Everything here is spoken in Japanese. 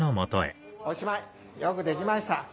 よくできました。